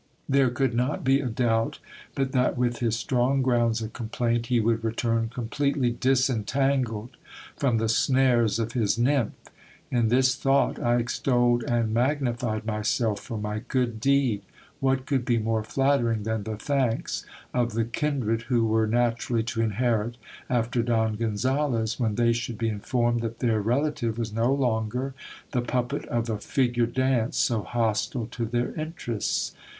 There could not be a doubt but that with his strong grounds of complaint, he would return completely disentangled from the snares of his nymph. In this thought I extolled and magnified myself for my good deed. What could be more flattering than the thanks of the kindred who were naturally to inherit after Don Gonzales, when they should be informed that their relative was no longer the puppet of a figure dance so hostile to their interests